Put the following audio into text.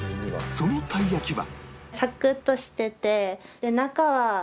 そのたい焼きは